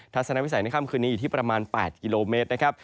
สนวิสัยในค่ำคืนนี้อยู่ที่ประมาณ๘กิโลเมตรนะครับ